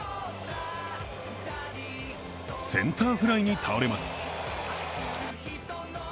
センターフライに倒れます。